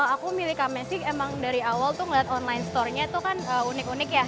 aku milih kamex sih emang dari awal tuh ngelihat online store nya itu kan unik unik ya